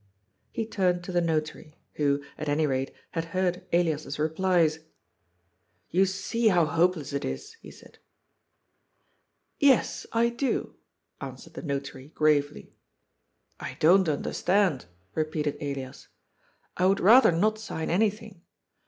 '* He tamed to the Notary, who, at any rate, had heard Elias's replies. *^ Toa see how hopeless it is !" he said. " Yes, I do," answered the Notary gravely. " I don't understand," repeated Elias. " I would rather not sign anything.